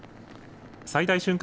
最大瞬間